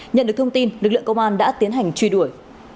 nhận được thông tin lực lượng công an đã tiến hành truy đuổi